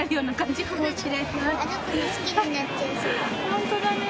ホントだね。